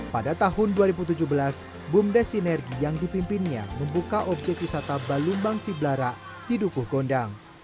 pada tahun dua ribu tujuh belas bumdes sinergi yang dipimpinnya membuka objek wisata balumbang siblara di dukuh gondang